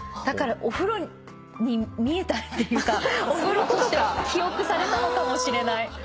だからお風呂に見えたっていうかお風呂として記憶されたのかもしれない。